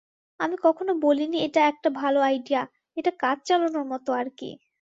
আমি কখনো বলিনি এটা একটা ভালো আইডিয়া, এটা কাজ চালানোর মতো আর কি!